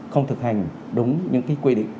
không thực hành đúng những quy định